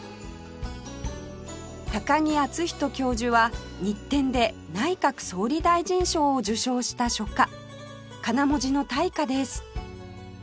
高木厚人教授は日展で内閣総理大臣賞を受賞した書家かな文字の大家です